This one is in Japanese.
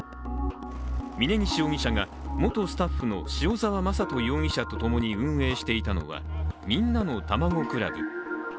峯岸容疑者が元スタッフの塩沢正人容疑者と共に運営していたのはみんなのたまご倶楽部。